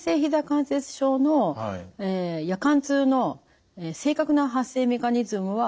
関節症の夜間痛の正確な発生メカニズムは不明です。